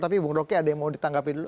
tapi bung rogi ada yang mau ditangkapi dulu